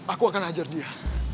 aku akan ajar dia